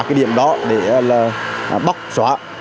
các điểm đó để bóc xóa